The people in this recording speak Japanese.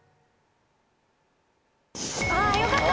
あよかった！